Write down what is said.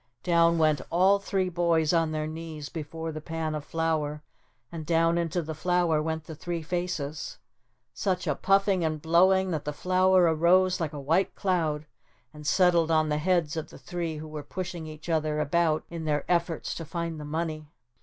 ] Down went all three boys on their knees before the pan of flour and down into the flour went the three faces. Such a puffing and blowing that the flour rose like a white cloud and settled on the heads of the three who were pushing each other about in their efforts to find the money.